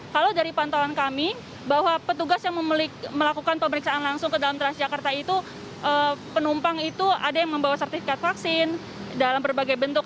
kalau dari pantauan kami bahwa petugas yang melakukan pemeriksaan langsung ke dalam transjakarta itu penumpang itu ada yang membawa sertifikat vaksin dalam berbagai bentuk